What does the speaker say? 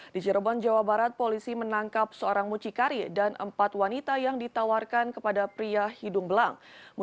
di cirebon jawa barat polisi menangkap seorang mucikari dan empat wanita yang ditawarkan kepada pria hidung belang